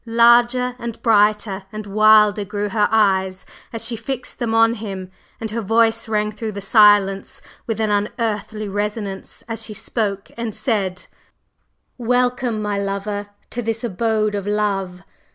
Larger and brighter and wilder grew her eyes as she fixed them on him, and her voice rang through the silence with an unearthly resonance as she spoke and said: "Welcome, my lover, to this abode of love!